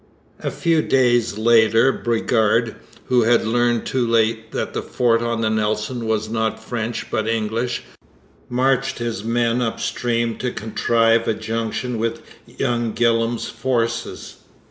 A few days later Bridgar, who had learned too late that the fort on the Nelson was not French but English, marched his men up stream to contrive a junction with young Gillam's forces.